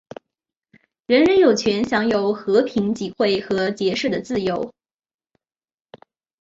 人人有权享有和平集会和结社的自由。